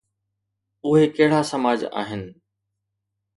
اهي ڪهڙا سماج آهن؟